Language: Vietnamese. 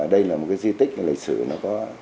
đây là một cái di tích lịch sử nó có